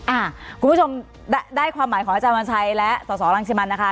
อ่าคุณผู้ชมได้ความหมายของรัชมันชัยและสลชีมันนะคะ